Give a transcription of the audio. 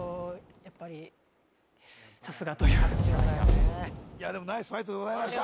やっぱりさすがというかタッチの差やねいやでもナイスファイトでございました